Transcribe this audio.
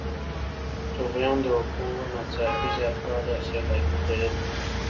طغیان د اوبو ناڅاپي زیاتوالی او سیلابي کیدل دي.